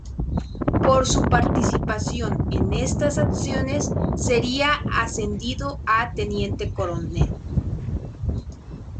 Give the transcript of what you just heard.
Por su participación en estas acciones sería ascendido a teniente coronel.